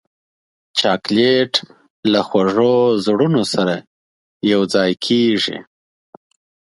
چاکلېټ له خوږو زړونو سره یوځای کېږي.